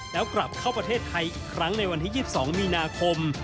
แล้วกลับเข้าประเทศไทยอีกครั้งในวันที่๒๒มีนาคม